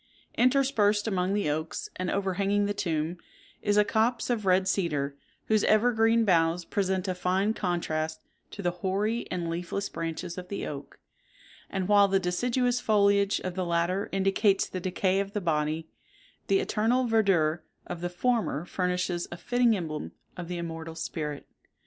Interspersed among the oaks, and overhanging the tomb, is a copse of red cedar, whose evergreen boughs present a fine contrast to the hoary and leafless branches of the oak; and while the deciduous foliage of the latter indicates the decay of the body, the eternal verdure of the former furnishes a fitting emblem of the immortal spirit.